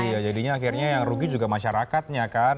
iya jadinya akhirnya yang rugi juga masyarakatnya kan